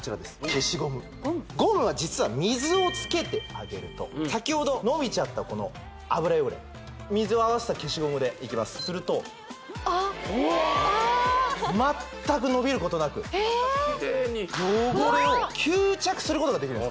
消しゴムゴムは実は水をつけてあげると先ほど伸びちゃったこの脂汚れ水をあわせた消しゴムでいきますするとあっあっうわっ全く伸びることなくキレイに汚れを吸着することができる